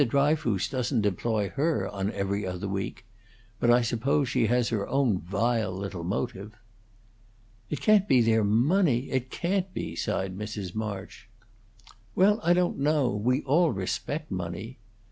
Dryfoos doesn't employ her on 'Every Other Week.' But I suppose she has her own vile little motive." "It can't be their money; it can't be!" sighed Mrs. March. "Well, I don't know. We all respect money."